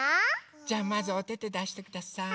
じゃまずおててだしてください。